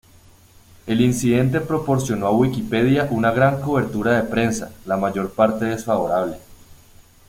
El incidente proporcionó a Wikipedia una gran cobertura de prensa, la mayor parte desfavorable.